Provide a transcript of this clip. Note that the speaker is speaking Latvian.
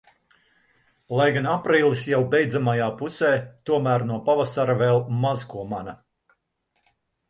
Lai gan aprīlis jau beidzamajā pusē, tomēr no pavasara vēl maz ko mana.